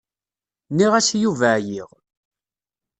Nniɣ-as i Yuba ɛyiɣ.